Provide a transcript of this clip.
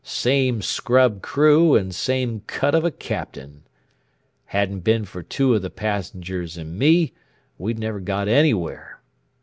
"Same scrub crew and same cut of a Captain. Hadn't been for two of the passengers and me, we'd never got anywhere.